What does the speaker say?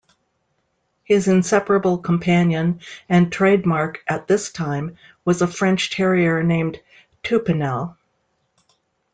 His inseparable companion and trademark at this time was a French terrier named Toupinel.